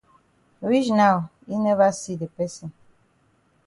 Reach now yi never see the person.